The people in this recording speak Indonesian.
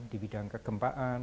di bidang kegempaan